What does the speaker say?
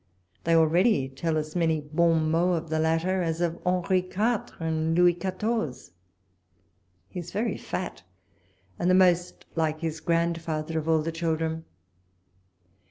They already tell as many hon mots of the latter as of Henri Quatre and Louis Quatorze. He is very fat, and the most like his grandfather of all the children.